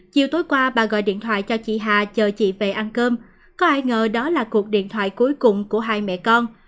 chiều tối qua bà gọi điện thoại cho chị hà chờ chị về ăn cơm có ai ngờ đó là cuộc điện thoại cuối cùng của hai mẹ con